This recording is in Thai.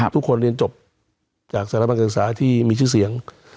ทุกคนเรียนจบจากสรรพันธ์กริจสาที่มีชื่อเสียง